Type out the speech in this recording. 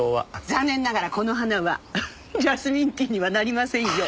残念ながらこの花はジャスミンティーにはなりませんよ！